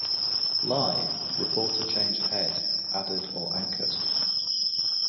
Live, reporter changed head, added or anchors.